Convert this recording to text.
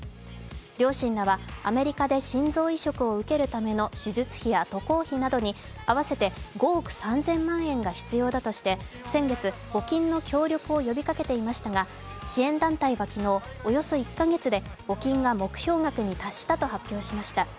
両親らはアメリカで心臓移植を受けるための手術費や渡航費などに合わせて５億３０００万円が必要だとして、先月、募金の協力を呼びかけていましたが、支援団体は昨日、およそ１か月で募金が目標額に達したと発表しました。